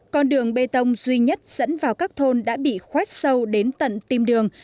con đường bê tông duy nhất dẫn vào các thôn đã bị khoét sâu đến tận tìm đường